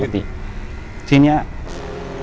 อยู่ที่แม่ศรีวิรัยิลครับ